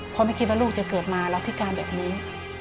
เพราะไม่คิดว่าลูกจะเกิดมาแล้วพิการแบบนี้